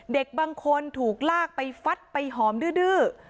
เด็กบางคนถูกลากไปฟัดไปหอมดื้อ